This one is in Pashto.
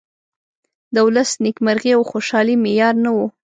د ولس نیمکرغي او خوشالي معیار نه ؤ.